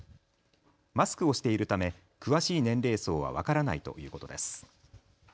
マスクをしているため、詳しい年齢層は分からないということです。